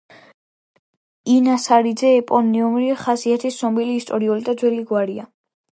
ინასარიძე ეპონიმური ხასიათის ცნობილი ისტორიული და ძველი გვარია.